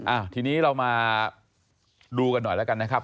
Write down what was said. อ่าทีนี้เรามาดูกันหน่อยแล้วกันนะครับ